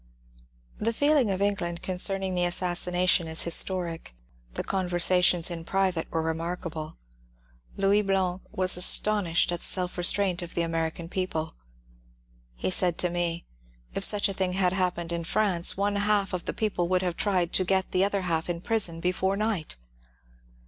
The feeling of England concerning the assassination is historic ; the conversations in private were remarkable. Louis Blanc was astonished at the self restraint of the American people. He said to me, ^^ If such a thing had happened in France, one half of the people would have tried to get the other half in prison before night."